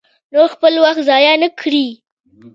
نور خپل وخت ضایع نه کړي.